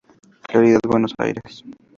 Claridad, Buenos Aires.